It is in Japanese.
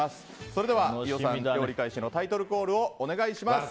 それでは飯尾さん料理開始のタイトルコールをお願いします。